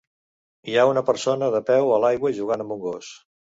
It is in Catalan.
Hi ha una persona de peu a l'aigua jugant amb un gos.